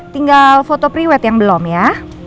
tinggal foto priwet yang belum ya